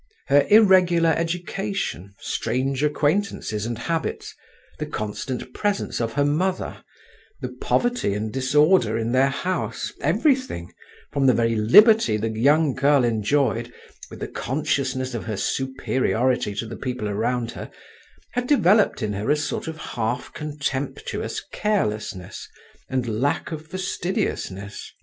Her irregular education, strange acquaintances and habits, the constant presence of her mother, the poverty and disorder in their house, everything, from the very liberty the young girl enjoyed, with the consciousness of her superiority to the people around her, had developed in her a sort of half contemptuous carelessness and lack of fastidiousness.